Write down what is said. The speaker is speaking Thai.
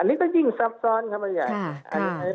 อันนี้ก็ยิ่งซับซ้อนแบบนี้